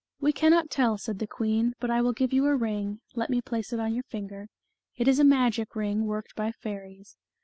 "We cannot tell," said the queen, "but I will give you a ring let me place it on your finger it is a magic ring worked by fairies.